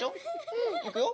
うん。いくよ。